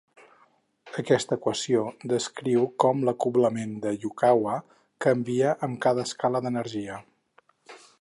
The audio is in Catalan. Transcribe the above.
Aquesta equació descriu com l'acoblament de Yukawa canvia amb cada escala d'energia.